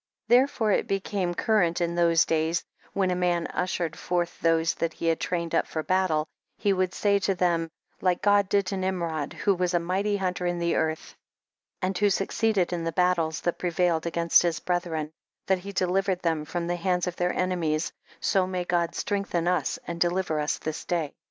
Therefore it became current in those days, when a man ushered forth those that he liad trained up for battle, he would say to them, like God did to Nimrod, who was a mighty hunter in the earth, and who succeeded in the battles that prevail ed against his brethren, that he de livered them from the hands of their enemies, so may God strengthen us and deliver us this day.